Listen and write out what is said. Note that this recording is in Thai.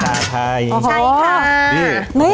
ชาไทค่ะ